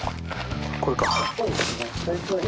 これか。